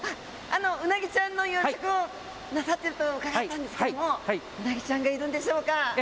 うなぎちゃんの養殖をなさってると伺ったんですけれどもウナギちゃんがいるんでしょうか。